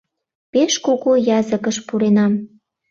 — Пеш кугу языкыш пуренам.